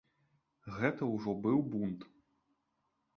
Гэта ўжо быў бунт.